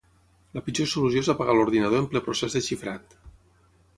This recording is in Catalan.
La pitjor solució és apagar l'ordinador en ple procés de xifrat.